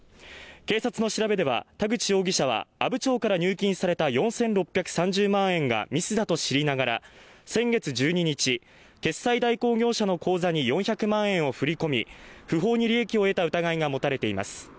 警察の調べでは田口容疑者は阿武町から入金された４６３０万円が、ミスだと知りながら、先月１２日、決済代行業者の口座に４００万円を振り込み不法に利益を得た疑いが持たれています。